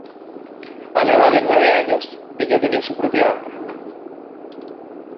A la edad de nueve años, ella tenía su propia banda.